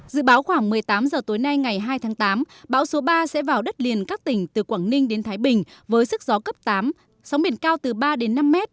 dự báo khoảng một mươi tám h tối nay ngày hai tháng tám bão số ba sẽ vào đất liền các tỉnh từ quảng ninh đến thái bình với sức gió cấp tám sóng biển cao từ ba đến năm mét